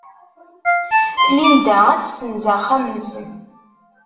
Linda ad tessenz axxam-nnes.